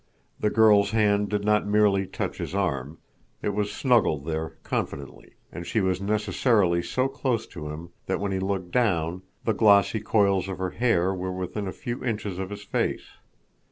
The girl's hand did not merely touch his arm; it was snuggled there confidently, and she was necessarily so close to him that when he looked down, the glossy coils of her hair were within a few inches of his face.